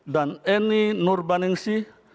dan eni nur baningsih